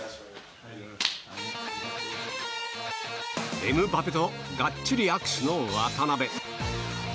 エムバペとがっちり握手の渡邊。